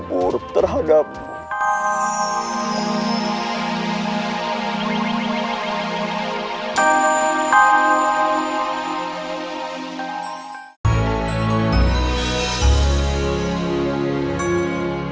berpersangka buruk terhadapmu